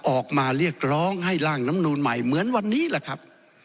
ออกมาเรียกร้องให้ร่างน้ำนูนใหม่เหมือนวันนี้แหละครับ